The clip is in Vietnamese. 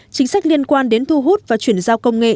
chính sách liên quan đến thu hút và chuyển giao công nghệ